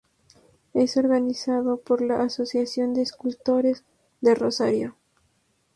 Es organizado por la "Asociación de Escultores de Rosario".